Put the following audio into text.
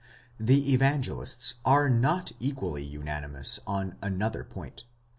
The Evangelists are not equally unanimous on another point.